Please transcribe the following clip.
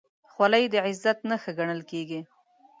خولۍ د عزت نښه ګڼل کېږي.